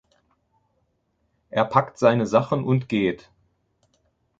Er packt seine Sachen und geht.